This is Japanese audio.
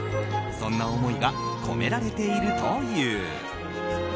そんな思いが込められているという。